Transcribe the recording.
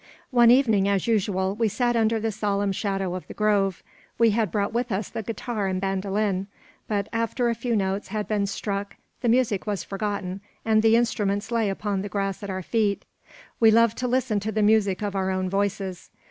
One evening, as usual, we sat under the solemn shadow of the grove. We had brought with us the guitar and bandolin; but, after a few notes had been struck, the music was forgotten, and the instruments lay upon the grass at our feet. We loved to listen to the music of our own voices.